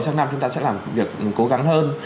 trong năm chúng ta sẽ làm việc cố gắng hơn